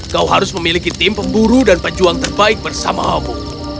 kau harus memiliki tim pemburu dan pejuang terbaik bersamamu